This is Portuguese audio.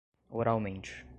oralmente